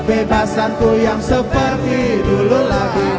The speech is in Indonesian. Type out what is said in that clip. kehidupanku yang seperti dulu lagi